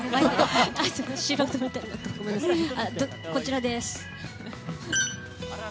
こちらです。